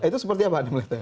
itu seperti apa